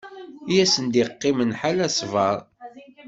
I asen-d-yeqqimen ḥala ssber.